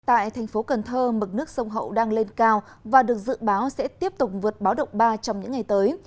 tại thành phố cần thơ mực nước sông hậu đang lên cao và được dự báo sẽ tiếp tục vượt báo động ba trong những ngày tới